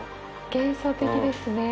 幻想的ですね。